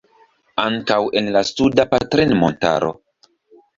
Ankaŭ en la Suda Patrinmontaro.